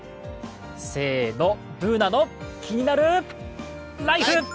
せーの、「ＢｏｏｎａのキニナルＬＩＦＥ」！